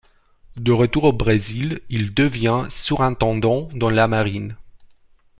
De retour au Brésil, il devient surintendant dans la marine.